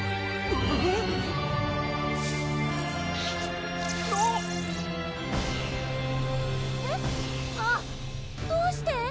わっ⁉どうして？